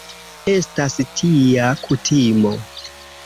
Estas tia kutimo.